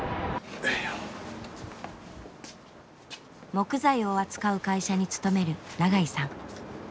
木材を扱う会社に勤める長井さん。